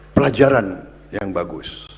pelajaran yang bagus